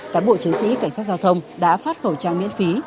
cán bộ chiến sĩ cảnh sát giao thông đã phát khẩu trang miễn phí